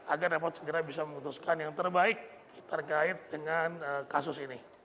agar dapat segera bisa memutuskan yang terbaik terkait dengan kasus ini